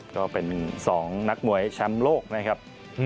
ก็เป็น๒นักมวยแชมป์โลกนะครับ